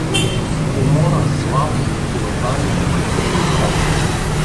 Умора, слабост, колебание, всичко го остави.